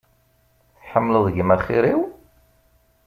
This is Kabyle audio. Tḥemmleḍ gma xir-iw?